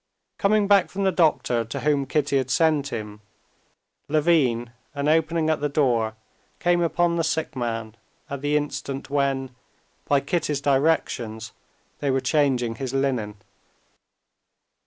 Coming back from the doctor to whom Kitty had sent him, Levin, on opening the door, came upon the sick man at the instant when, by Kitty's directions, they were changing his linen.